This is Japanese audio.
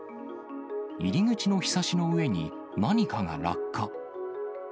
入り口のひさしの上に何かが落下。